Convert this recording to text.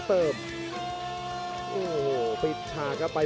โปรดติดตามต่อไป